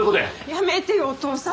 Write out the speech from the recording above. やめてよお父さん！